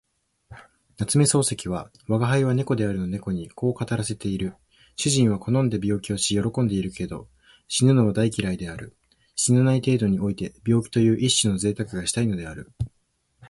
夏目漱石は吾輩は猫であるの猫にこう語らせている。主人は好んで病気をし喜んでいるけど、死ぬのは大嫌いである。死なない程度において病気という一種の贅沢がしたいのである。